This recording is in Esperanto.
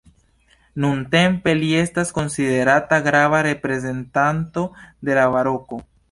Nuntempe li estas konsiderata grava reprezentanto de la Baroko.